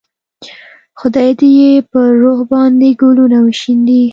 خدای دې یې پر روح باندې ګلونه وشیندي.